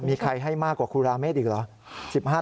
มีใครให้มากกว่าครูราเมฆอีกเหรอ